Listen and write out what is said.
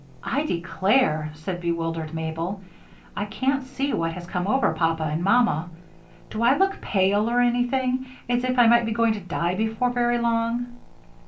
"I declare," said bewildered Mabel, "I can't see what has come over Papa and Mamma. Do I look pale, or anything as if I might be going to die before very long?"